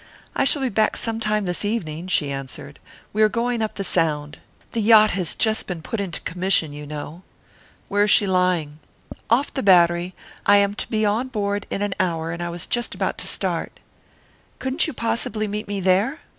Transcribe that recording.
"I shall be back sometime this evening," she answered. "We are going up the Sound. The yacht has just been put into commission, you know." "Where is she lying?" "Off the Battery. I am to be on board in an hour, and I was just about to start. Couldn't you possibly meet me there?"